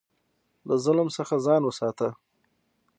له ظلم څخه ځان وساته.